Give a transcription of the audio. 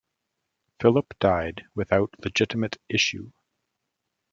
Philip died without legitimate issue.